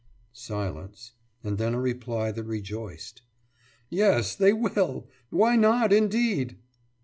« Silence and then a reply that rejoiced. »Yes, they will! Why not, indeed?